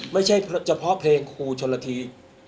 ไม่ใช่เฉพาะเพลงครูชนละที